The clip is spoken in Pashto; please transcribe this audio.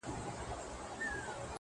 د ژوند په دغه مشالونو کي به ځان ووينم,